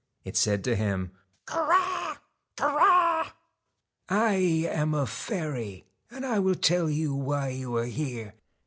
It said to him :' Korax ! Korax ! I am a fairy, and I will tell you why you are here.